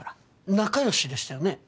仲良しでしたよね？